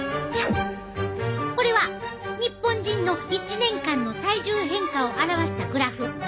これは日本人の１年間の体重変化を表したグラフ。